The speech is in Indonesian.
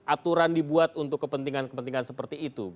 aturan dibuat untuk kepentingan kepentingan seperti itu